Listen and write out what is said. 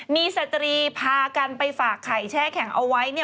มีสตรีพากันไปฝากไข่แช่แข็งเอาไว้